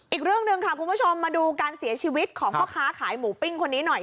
อีกเรื่องหนึ่งค่ะคุณผู้ชมมาดูการเสียชีวิตของพ่อค้าขายหมูปิ้งคนนี้หน่อย